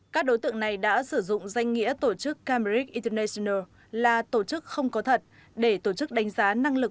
các đối tượng này đã sử dụng danh nghĩa tổ chức cambrid international là tổ chức không có thật để tổ chức đánh giá năng lực